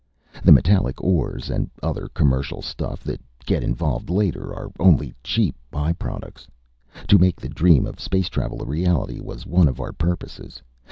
The metallic ores and other commercial stuff that get involved later are only cheap by products. To make the dream of space travel a reality was one of our purposes.